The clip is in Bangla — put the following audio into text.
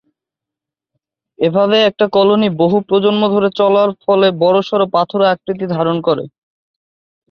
এভাবে একটা কলোনি বহু প্রজন্ম ধরে চলার ফলে বড়সড় পাথুরে আকৃতি ধারণ করে।